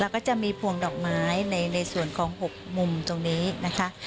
แล้วก็จะมีพวงดอกไม้ในส่วนของ๖มุมตรงนี้นะคะ